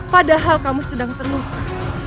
padahal kamu sedang terluka